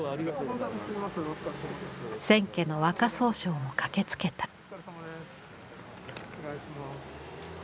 千家の若宗匠も駆けつけた。